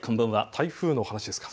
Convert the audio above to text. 台風の話ですか。